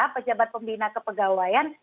pejabat pembina kepegawaian